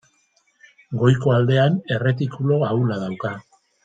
Goiko aldean erretikulu ahula dauka.